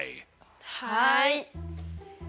はい！